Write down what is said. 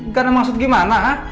gak ada maksud gimana